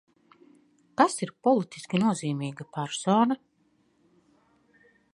Kas ir politiski nozīmīga persona?